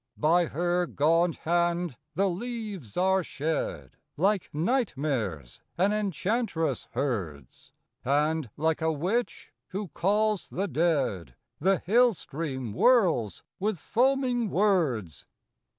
By her gaunt hand the leaves are shed Like nightmares an enchantress herds; And, like a witch who calls the dead, The hill stream whirls with foaming words.